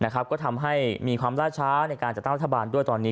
ก็ทำให้มีความล่าช้าในการจัดตั้งรัฐบาลด้วยตอนนี้